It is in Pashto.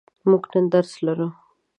موږ نن درس لرو.